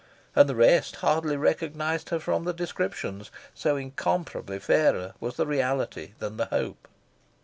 And the rest hardly recognised her from the descriptions, so incomparably fairer was the reality than the hope.